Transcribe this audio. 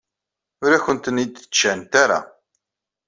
Ur akent-ten-id-ǧǧant ara.